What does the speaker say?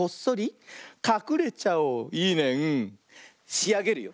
しあげるよ。